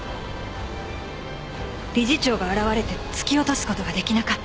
理事長が現れて突き落とす事ができなかった。